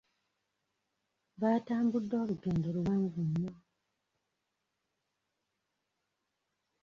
Baatambudde olugendo luwanvu nnyo.